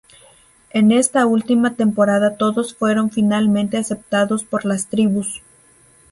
En esta última temporada todos fueron finalmente aceptados por las tribus.